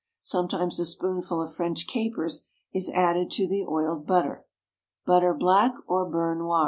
sometimes a spoonful of French capers is added to the oiled butter. BUTTER, BLACK, OR BEURRE NOIR.